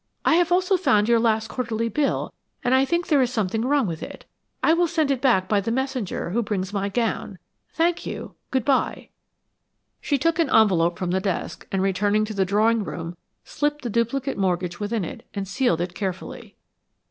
I have also found your last quarterly bill, and I think there is something wrong with it. I will send it back by the messenger, who brings my gown. Thank you; good by." She took an envelope from the desk and returning to the drawing room slipped the duplicate mortgage within it and sealed it carefully.